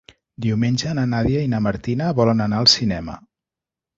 Diumenge na Nàdia i na Martina volen anar al cinema.